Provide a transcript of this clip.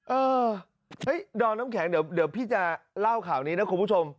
เออดอมน้ำแข็งเดี๋ยวพี่จะเล่าข่าวนี้นะคุณผู้ชม